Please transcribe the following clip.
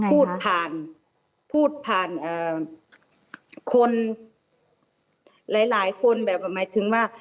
พูดผ่านพูดผ่านคนหลายคนแบบหมายถึงว่า